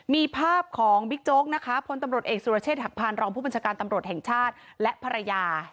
มีภาพของบิ๊กโจ๊กนะคะพลตำรวจเอกสุรเชษฐหักพานรองผู้บัญชาการตำรวจแห่งชาติและภรรยา